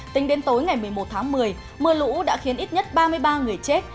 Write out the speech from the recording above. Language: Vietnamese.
tính đến tối ngày một mươi một tháng một mươi mưa lũ đã khiến ít nhất ba mươi ba người chết